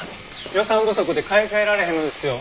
予算不足で買い替えられへんのですよ。